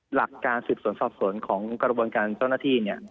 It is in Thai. หลักการศึกษนสอบสนกรบงานเจ้าหน้าที่นี่